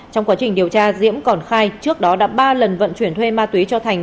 trong quá trình điều tra diễm còn khai trước đó đã ba lần vận chuyển thuê ma túy cho thành